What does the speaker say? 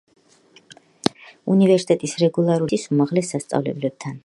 უნივერსიტეტს რეგულარული ურთიერთობა აქვს თბილისის უმაღლეს სასწავლებლებთან.